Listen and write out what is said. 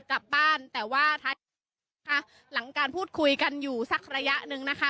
กลับบ้านแต่ว่าค่ะหลังการพูดคุยกันอยู่สักระยะหนึ่งนะคะ